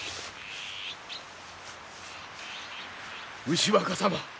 牛若様